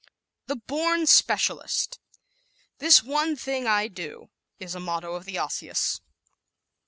The Born Specialist ¶ "This one thing I do," is a motto of the Osseous.